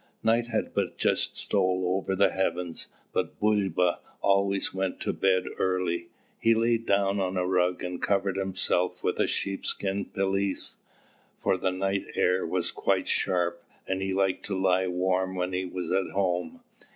Night had but just stole over the heavens, but Bulba always went to bed early. He lay down on a rug and covered himself with a sheepskin pelisse, for the night air was quite sharp and he liked to lie warm when he was at home.